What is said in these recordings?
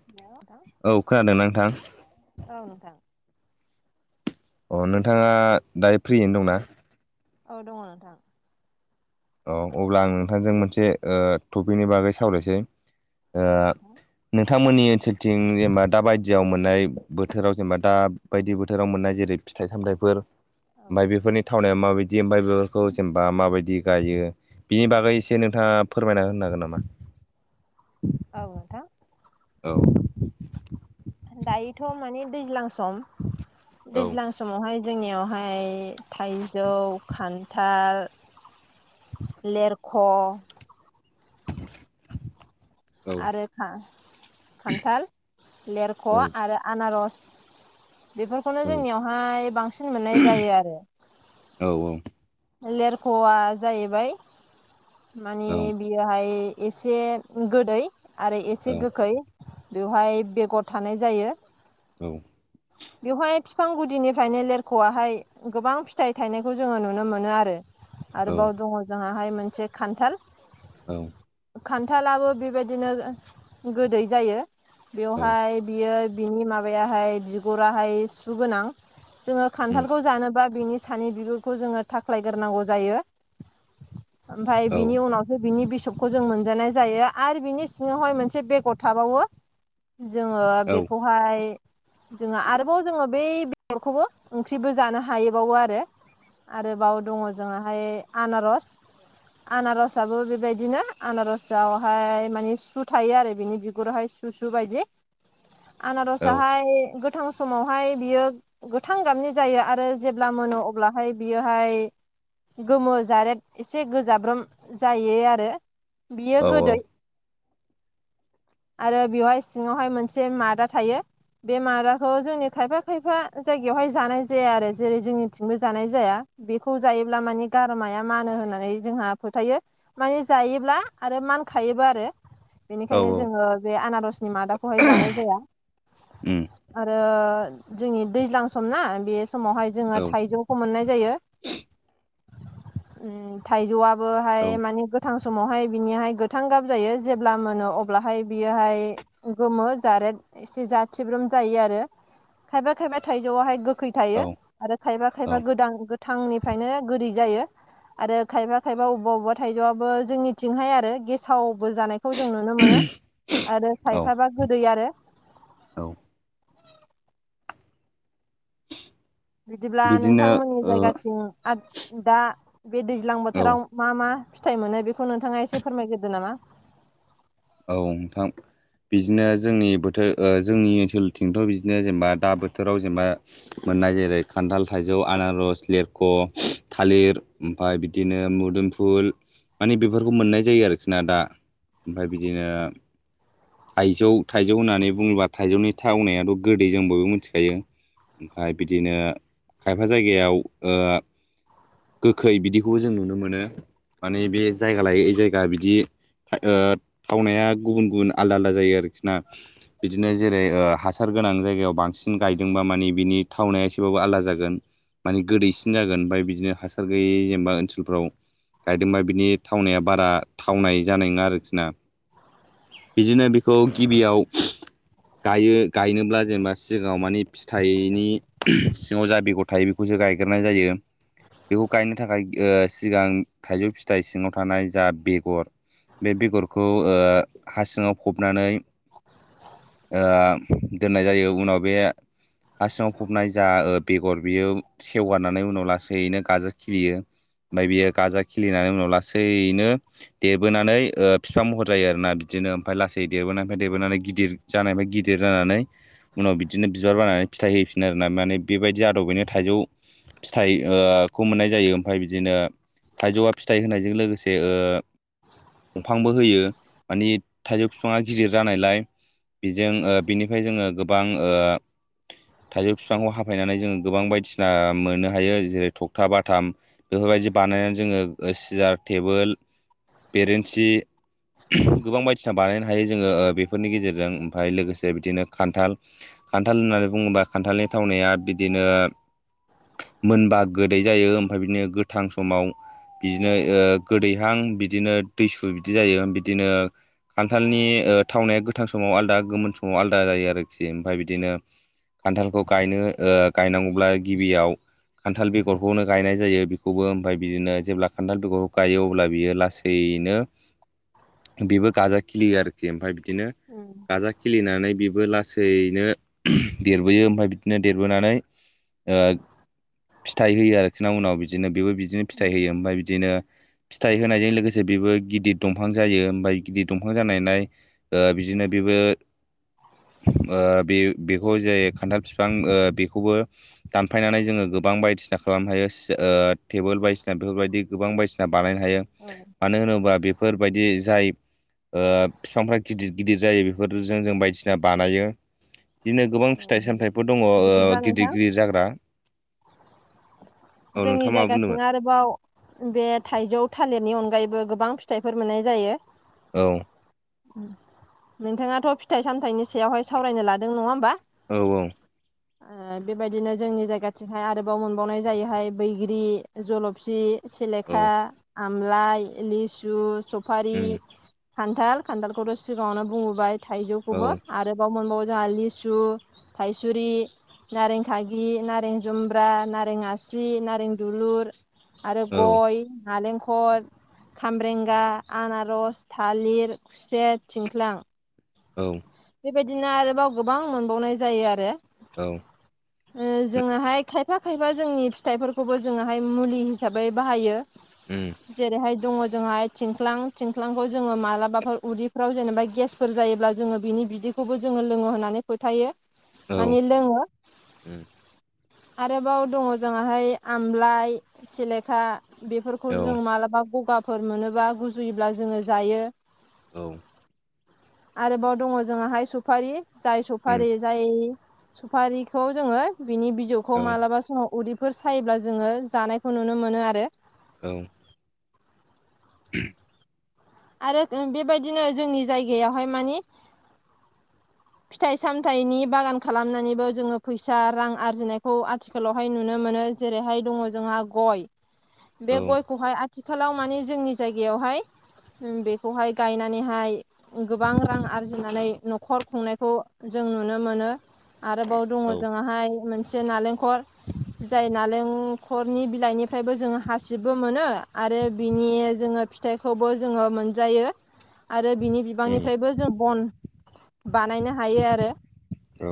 [inaudible] औ खोनादोंना नोंथां? औ नोंथां। अ नोंथाङा दायो फ्रियैनो दंना? औ दङ नोंथां। औ अब्ला आं नोंथांजों मोनसे टपिकनि बागै सावरायसै औ नोंथां नोंथांमोननि ओनसोलथिं जेनेबा दा बायदियाव मोननाय बोथोराव जेनेबा दा बायदि बोथोराव मोननाय जेरै फिथाइ सामथायफोर ओमफ्राय औ बेफोरनि थावनाया माबायदि ओमफ्राय बेफोरखौ जेनेबा माबायदि गायो बिनि बागै एसे नोंथाङा फोरमायना होनो हागोन नामा औ नोंथां औ दायोथ' माने दैज्लां सम दैज्लां सम समावहाय जोंनियावहाय थाइजौ खान्थाल लेरख' [inaudible] आरो खान्थाल लेरख' आरो आनारस बेफोरखौनो जोंनियावहाय बांसिन मोननाय जायो आरो औ औ लेरख'आ जाहैबाय माने औ बि बेयोहाय एसे गोदै आरो औ एसे गोखै बेवहाय बेगर थानाय जायो औ बेवहाय बिफां गुदिनिफ्रायनो लेरख'आहाय गोबां फिथाइ थायनायखौ जोङो नुनो मोनो आरो। औ आरोबाव दङ जोङाहाय मोनसे खान्थाल औ खान्थालाबो बेबायदिनो गोदै जायो औ बेवहाय बियो बिनि माबायाहाइ बिगुराहाय सु गोनां जोङो उम खानथालखौ जानोबा बिनि सानै बिगुरखौ जोङो थ्लायग्रोनांगौ जायो ओमफ्राय औ बिनि उनाव बिनि बिसबखौ जों मोनजानाय जायो आरो बिनि सिङावहाय मोनसे बेगर थाबावो जोङो औ बेखौहाय जोङो आरोबाव जोङो बै बेगरखौबो ओंख्रिबो जानो हायैबावो आरो आरोबाव दङ जोंहाय आनारस आनारसाबो बेबायदिनो आनारसआवहाय माने सु थायो आरो बिनि बिगुरावहाय सु सु सु बायदि आनारसाहाय गोथां समावहाय बियो गोथां गाबनि जायो आरो जेब्ला मोनो अब्लाहाय बियोहाय गोमो जारेद एसे गोजाब्रोम जायो आरो बियो औ गोदै आरो बेवहाय सिङावहाय मोनसे मादा थायो बे मादाखौ जोंनि खायफा खायफा जायगायावहाय जानाय जाया आरो जेरै जोंनिथिंबो जानाय जाया बेखौ जायोब्ला माने गारामाया मानो होननानै जोंहा फोथायो माने जायोब्ला आरो मानखायोबो आरो बेनिखायनो जोङो बे आनारसनि मादाखौहाय जानाय जाया उ आरो जोंनि दैज्लां सम ना बे समावहाय जोङो थाइजौ मोननाय जायो थाइजौआबोहाय माने गोथां समावहाय बिनाहाय गोथां गाब जायो जेब्ला मोनो अब्लाहाय बियोहाय गोमो जारेब एसे जाथि ब्रोम जायो आरो खायफा खायफा थाइजौआवहाय गोखै औ थायो आरो खायफा औ खायफा गोदां गोथांनिफ्रायनो गोदै जायो आरो खायफा खायफा बबेबा अबेबा थाइजौआबो जोंनिथिंहाय आरो गेसावबो जानाय खौ जों नुनो मोनो आरो औ खायफाबा गोदै आरो औ बिदिब्ला बिदिनो नोंथांमोननि ओ जायगाथिं दा बे दैज्लां औ बोथोराव मा मा फिथाइ मोनो बेखौ नोंथाङा एसे फोरमायग्रोदो नामा औ नोंथां बिदिनो जोंनि बोथोर जोंनि ओनसोलथिंथ' बिदिनो जेनेबा दा बोथोराव जेनेबा मोननाय जेरै खान्थाल थाइजौ आनारस लिरख' थालिर ओमफ्राय बिदिनो मोदोम फु फुल माने बेफोरखौ मोननाय जायो आरोखि ना दा ओमफ्राय बिदिनो थाइजौ थाइजौ होननानै बुङोब्ला थाइजौनि थावनायाथ' गोदै जों बयबो मिथिखायो ओमफ्राय बिदिनो खायफा जायगायाव गोखै बिदिखौबो जों नुनो मोनो। माने बे जायगा लायै जायगा बिदि ओ थावनाया गुबुन गुबुन आलदा आलदा जायो आरोखिना बिदिनो जेरै ओ हासार गोनां जायगायाव बांसिन गायदोंबा मानि बिनि थावनाया एसेबाबो आलादा जागोन माने गोदैसिन जागोन ओमफ्राय बिदिनो हासार गैयै जेनेबा ओनसोलफ्राव गायदोंबा बिनि थावनाया बारा थावनाय जानाय नङा आरोखिना बिदिनो बेखौ गिबियाव गायो गायनोब्ला जेनेबा सिगाङाव माने फिथाइनि सिङाव जा बेगर थायो बेखौसो गायग्रोनाय जायो बेखौ गायनो थाखाय ओ सिगां थाइजौ फिथाइ सिङाव थानाय जा बेगर बे बेगरखौ ओ हा सिङाव फबनानै ओ दोननाय जायो उनाव बे हा सिङाव फबनाय जा बेगर बेयो सेवगारनानै उनाव लासैनो गाजा यो ओमफ्राय बियो गाजा खिलिनानै उनाव लासैनो देरबोनानै बिफां महर जायो आरोना बिदिनो ओमफ्राय लासै देरबोनायनिफ्राय देरबोनानै गिदिर जानायनिफ्राय गिदिर जानानै उनाव बिदिनो बिबार बारनानै फिथाइ हैफिनो आरोना माने बेबायदि आदबैनो थाइजौ फिथाइ ओ खौ मोननाय जायो ओमफ्राय बिदिनो थाइजौआ फिथाइ होनायजों लोगोसे से ओ दंफांबो होयो माने थाइजौ बिफाङा गिदिर जानायलाय बिजों ओ बिनिफ्राय जोङो गोबां ओ थाइजौ फिफांखौ हाफायनानै जोंङो गोबां बायदिसिना मोननो हायो जेरै थखथा बाथाम बेफोरबायदि बानायनानै जोङो सियार टेबोल बेरेन्सि गोबां बायदिसिना बानायनो हायो जोङो बेफोरनि गेजेरजों ओमफाय लोगोसे बिदिनो खान्थाल खान्थाल होननानै बुङोबा खान्थालनि थावनाया बिदिनो मोनबा गोदै जायो ओमफाय बिदिनो गोथां समाव बिदिनो ओ गोदैहां बिदिनो दैसु बिदि जायो बिदिनो खान्थालनि ओ थावनाया गोथां समाव आलादा गोमोन समाव आलादा जायो आरोखि ओमफ्राय बिदिनो खान्थालखौ गायनो ओ गायनांगौब्ला गिबियाव खान्थाल बेगरखौनो गायनाय जायो बेखौबो ओमफ्राय बिदिनो जेब्ला खान्थाल बेगरखौ गायो अब्ला बियो लासै सैनो बिबो गाजा खिलियो आरोखि ओमफ्राय बिदिनो उम गाजा खिलिनानै बेबो लासैनो देरबोयो ओमफ्राय बिदिनो देरबोनानै ओ फिथाइ होयो आरोखि उनाव बिदिनो बेबो बिदिनो फिथाइ होयो ओमफ्राय बिदिनो फिथाइ होनायजों लोगोसे बेबो गिदिर दंफां जायो ओमफाय गिदिर दंफां जानायनाय ओ बिदिनो बेबो ओ बे बेखौ जाय खान्थाल फिफां बेखौबो दानफायनानै जोङो गोबां बायदिसिना खालामनो हायो सि ओ टेबोल बायदिसिना बेफोरबायदि गोबां बायदिसि ना बानायनो हायो औ मानो होनोब्ला बेफोरबायदि जाय ओ फिफांफ्रा गिदिर गिदिर जायो बेफोरजों जों बायदिसिना बानायो बिदिनो गोबां फिथाइ सामथाइफोर दङ ओ बिदिब्ला नोंथां गिदिर गिदिर जाग्रा औ जोंनि नोंथाङा मा जायगाथिं बुंदोंमोन आरो बाव बे थाइजौ थालिरनि अनगायैबो गोबां फिथाइफोर मोननाय जायो। औ नोंथाङाथ' फिथाइ सामथाइनि सायावहाय सावरायनो लादों नङा होमबा औ औ ओ बेबायदिनो जोंनि जायगाथिंहाय आरोबाव मोनबावनाय जायैहाय बैग्रि जल'फि औ सेलेखा आमलाइ लिसु सफारि उम खान्थाल खान्थालखौथ' सिगाङावनो बुंबोबाय औ थाइजौखौबो आरोबाव मोनबावो जोंहा लिसु थायसुरि नारें खागि नारें जुम्ब्रा नारें आ सि नारें दुलुर आरो औ गय नालेंखल खामब्रेंगा आनारस थालिर खुसेर थिंख्लां औ बेबायदिनो आरोबाव गोबां मोनबावनाय जायो आरो औ जोङाहाय खायफा खायफा जोंनि फिथाइफोरखौबो जोङाहाय मुलि हिसाबै बाहायो उम जेरैहाय दङ जोंहाय थिंख्लां थिंख्लांखौ जोङो मालाबाफोर उदैफ्राव जेनेबा गेसफोर जायो ब्ला जोङो बिनि बिदैखौबो जोङो लोङो होननानै फोथायो औ माने लोङो उम आरोबाव दङ जोंहाय आमलाइ सिलेखा बेफोरखौ औ जों मालाबा गगाफोर मोनोबा गुजुयोब्ला जोङो जायो औ आरोबाव दङ जोंहा हाय सुफारि जाय उम सुफारि जाय सुफारिखौ जोङो बिनि बिजौखौ औ मालाबा समाव उदै फोर सायोब्ला जोङो जानायखौ नुनो मोनो आरो औ [unintelligible] आरो बेबायदिनो जोंनि जायगायावहाय माने फिथाइ सामथाइनि बागान खालामनानैबो जोंङो फैसा रां आरजिनायखौ आथिखाल आथिखालावहाय नुनो मोनो जेरैहाय दंङो जोंहा गय बे औ गयखौहाय आथिखालाव माने जोंनि जायगायावहाय बेखौहाय गायनानैहाय गोबां रां आरजिनानै न'खर खुंनायखौ जों नुनो मोनो आरोबाव दंङो जों हाय मोनसे नालेंख खर जाय नालें न'खरनि बिलाइनिफ्रायबो जोंङो हासिबबो मोनो आरो बिनि जोंङो फिथाइ थ'बो जोंङो मोनजायो आरो बिनि बिबांनिफ्रायबो जों बन बानायनो हायो आरो औ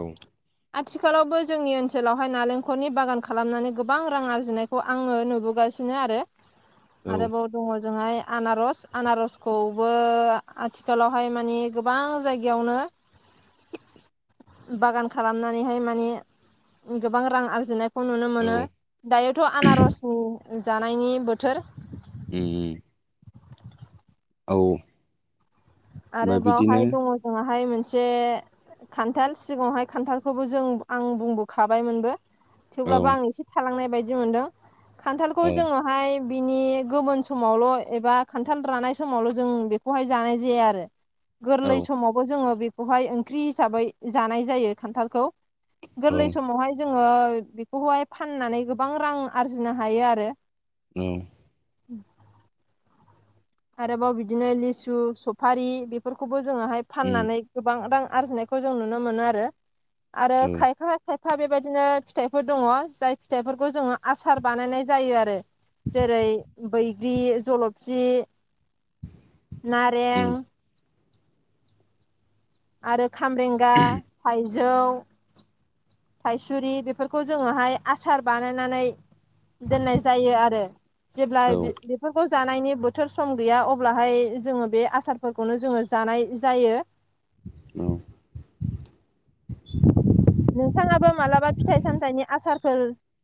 आथिखालावबो जोंनि ओनसोलावहाय नालेंखलनि बागान खालामनानै गोबां रां आरजिनाय खौ आंङो नुबोगासिनो आरो [inaudible] आरोबाव दंङो जोंहाय आनारस आनारसखौबो आथिखालावहाय माने गोबां जायगायावनो बागान खालामनानैहाय माने गोबां रां आरजिनायखौ नुनो औ मोनो। दायोथ' आनारसनि जानायनि बोथोर उम औ आरो बिदिनो बावहाय दंङो जोंनाहाय मोनसे खान्थाल सिगांङावहाय खान्थालखौबो जों आं बुंबोखाबायमोनबो औ थेवब्लाबो आं एसे थालांनाय बायदि मोनदों खान्थालखौ औ जोंङो हाय बिनि गोमोन समावल' एबा खान्थाल रानाय समावल' जों बेखौहाय जानाय जाया आरो औ गोरलै समावबो जोंङो बेखौहाय ओंख्रि हिसाबै जानाय जायो खान्थालखौ औ उम गोरलै समावहाय जोंङो बेखौहाय फाननानै गोबां रां आरजिनो हायो आरो उम आरोबाव बिदिनो लिसु सफारि बेफोरखौबो जोंङोहाय उम फाननानै गोबां रां आरजिनायखौ जों नुनो मोनो आरो आरो औ खायफा खायफा बेबायदिनो फिथाइफोर दंङो जाय फिथाइफोरखौ जोंङो आसार बानायनाय जायो आरो जेरै बैग्रि जलफि नारें आरो खामरेंगा थाइजौ थायसुरि बेफोरखौ जोंङोहाय आसार बानायनानै दोननाय जायो आरो जेब्ला औ बेफोरखौ जानायनि बोथोर सम गैया अब्लाहाय जोंङो बे आसारफोरखौनो जोंङो जानाय जायो। औ नोंथांङाबो मालाबा फिथाइ सामथाइनि आसारफोर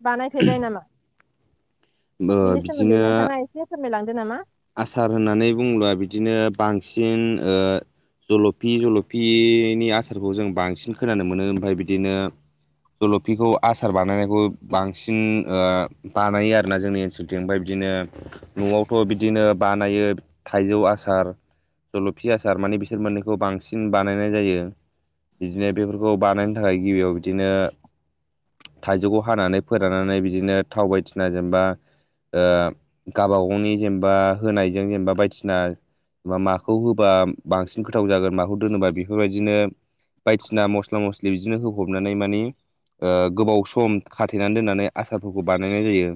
बानायफैबाय नामा बिनि सोमोन्दै बिदिनो नोंथांङा एसे फोरमायलांदो नामा आसार होननानै बुंङो बिदिनो बांसिन ओ जल'फि जल'फिनि आसारखौ जों बांसिन खोनानो मोनो ओमफ्राय बिदिनो जलफिखौ आसार बानायनायखौ बांसिन ओ बानायो आरो ना जोंनि ओनसोलथिंफ्राय बिदिनो न'आवथ' बिदि बिदिनो बानायो थाइजौ आसार जलफि आसार माने बिसोर मोन्नैखौ बांसिन बानायनाय जायो। बिदिनो बेफोरखौ बानायनो थाखाय गिबियाव बिदिनो थाइजौखौ हानानै फोराननानै बिदिनो थाव बायदिना जेनबा गाव बागावनि जेनेबा होनायजों जेनेबा बायदिसिना बा माखौ होबा बांसिन गोथाव जागोन माखौ दोनोबा बेफोरबायदिनो बायदिसिना मस्ला मस्लि बिदिनो होफबनानै माने ओ गोबाव सम खाथेनानै दोननानै आसारफोरखौ बानायनाय जायो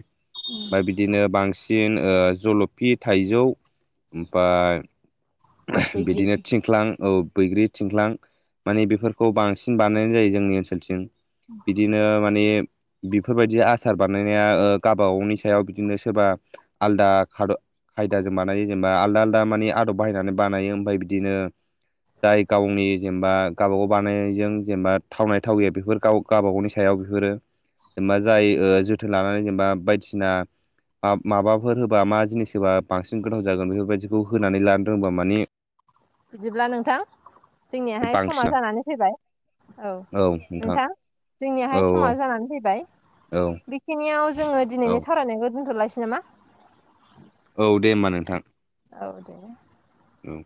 ओमफ्राय बिदिनो बांसिन ओ जलफि थाइजौ ओमफफ्राय बैग्रि बिदिनो थिं थिंख्लां औ बैग्रि थिंख्लां माने बेफोरखौ बांसिन बानायनाय जायो जोंनि ओनसोलथिं [inaudible] बिदिनो मानि बेफोरबायदि आसार बानायनाया गावबा गावनि सायाव बिदिनो सोरबा आलदा खाद खायदाजों बानायो जेनेबा आलदा आलदा मानि आदब बाहायनानै बानायो ओमफ्राय बिदिनो जाय गावनि जेनेबा गावबागाव बानायनायजों जेनेबा थावनाय थावि बेफोर गाव गावबा गावनि सायाव बिहरो जेनेबा जाय जोथोन लानानै जेनेबा बायदिसिना माबाफोर होबा मा जिनिस होबा बांसिन गोथाव जागोन बेफोरबायदिखौ होनानै लानो रोंबा माने बिदिब्ला नोंथां जोंनियाहाय समा बांसिन जानानै फैबाय औ नोंथां औ जोंनियाहाय समा जानानै फैबाय औ बेखिनियाव जोङो औ दिनैनि सावरायनायखौ दोनथ'लासै नामा औ दे होमबा नोंथां औ दे औ